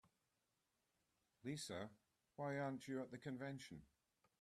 Lisa, why aren't you at the convention?